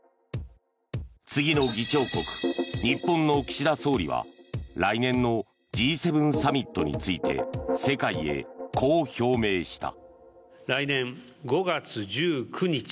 次の議長国、日本の岸田総理は来年のＧ７サミットについて世界へ、こう表明した。